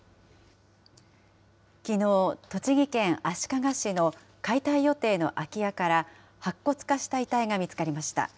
きのう、栃木県足利市の解体予定の空き家から、白骨化した遺体が見つかりました。